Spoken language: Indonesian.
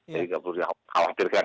jadi tidak perlu dikhawatirkan